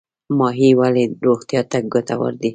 ماهي ولې روغتیا ته ګټور دی؟